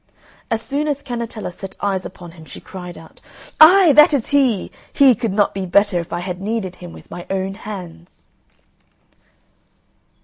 As soon as Cannetella set eyes upon him she cried out, "Ay, that is he! he could not be better if I had kneaded him with my own hands."